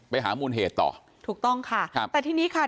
มูลเหตุต่อถูกต้องค่ะครับแต่ทีนี้ค่ะ